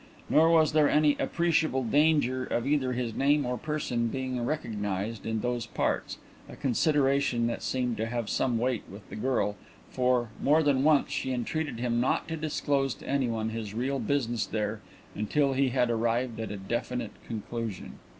Nor was there any appreciable danger of either his name or person being recognized in those parts, a consideration that seemed to have some weight with the girl, for, more than once, she entreated him not to disclose to anyone his real business there until he had arrived at a definite conclusion.